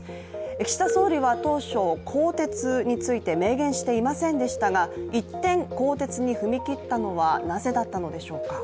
岸田総理は当初更迭について明言していませんでしたが、一転、更迭に踏み切ったのはなぜだったのでしょうか。